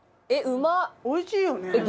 おいしいよね？